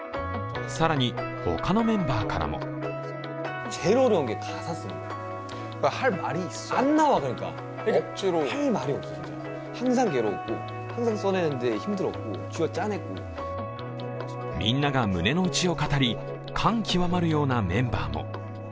更に他のメンバーからもみんなが胸のうちを語り、感極まるようなメンバーも。